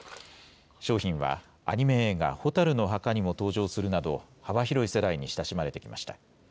商品はアニメ映画、火垂るの墓にも登場するなど、幅広い世代に親しまれてきました。